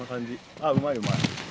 あっうまいうまい。